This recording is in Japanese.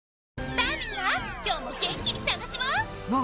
さあみんな今日も元気に楽しもう！